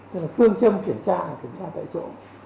thế là phương châm kiểm tra là kiểm tra tại chỗ